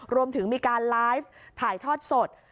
รวมถึงมีการไลฟ์ถ่ายทอดสด